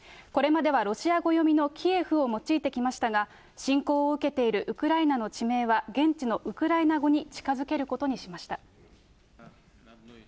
これまではロシア語読みのキエフを用いてきましたが、侵攻を受けているウクライナの地名は、現地のウクライナ語に近づけることにしました。